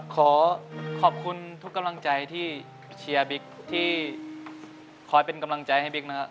ขอขอบคุณทุกกำลังใจที่เชียร์บิ๊กที่คอยเป็นกำลังใจให้บิ๊กนะครับ